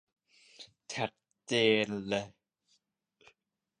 ชัดเจนเลย